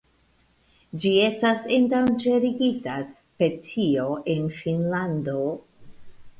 Ĝi estas endanĝerita specio en Finnlando.